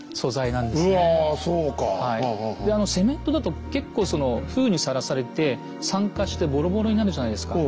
でセメントだと結構その風雨にさらされて酸化してボロボロになるじゃないですか。